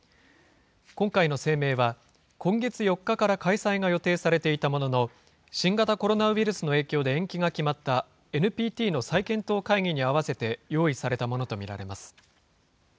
今回の声明は、今月４日から開催が予定されていたものの、新型コロナウイルスの影響で延期が決まったＮＰＴの再検討会議に合わせて用意されたものと見られます。